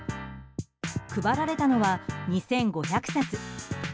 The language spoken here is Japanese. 配られたのは２５００冊。